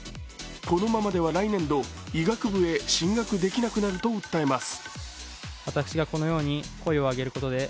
このままでは来年度、医学部へ進学できなくなると訴えます。